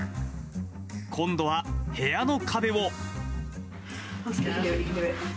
今度は部屋の壁を。